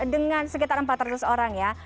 dengan sekitar empat ratus orang ya